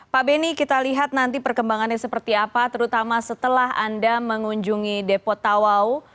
pak beni kita lihat nanti perkembangannya seperti apa terutama setelah anda mengunjungi depo tawau